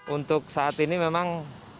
untuk saat ini memang